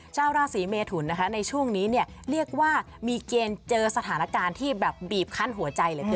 ชาวราศีเมฑุรในช่วงนี้เรียกว่ามีเกณฑ์เจอสถานการณ์ที่บีบคั้นหัวใจเลยเจอ